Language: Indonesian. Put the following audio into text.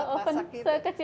oven buat masak kita